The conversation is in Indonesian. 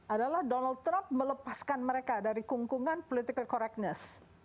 adalah donald trump melepaskan mereka dari kungkungan political correctness